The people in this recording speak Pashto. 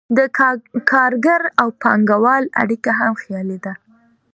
د کارګر او پانګهوال اړیکه هم خیالي ده.